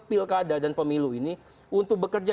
pilkada dan pemilu ini untuk bekerja